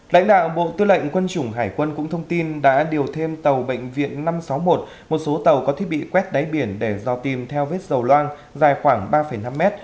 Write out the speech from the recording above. lãnh đạo bộ tư lệnh quân chủng hải quân cũng thông tin đã điều thêm tàu bệnh viện năm trăm sáu mươi một một số tàu có thiết bị quét đáy biển để do tim theo vết dầu loang dài khoảng ba năm m